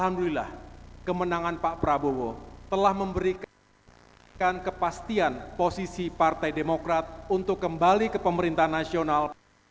alhamdulillah kemenangan pak prabowo telah memberikan kepastian posisi partai demokrat untuk kembali ke pemerintah nasional